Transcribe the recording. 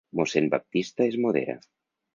Mossèn Baptista es modera.